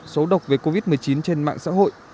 số độc về covid một mươi chín trên mạng xã hội